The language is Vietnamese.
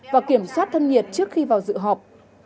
và kiểm soát thân nhiệt trước khi vào dự họp